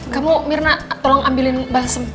kamu mirna tolong ambilin basem